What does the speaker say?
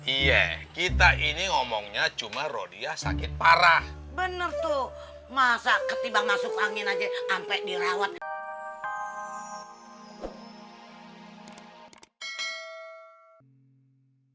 iya kita ini ngomongnya cuma rodia sakit parah bener tuh masa ketiba masuk angin aja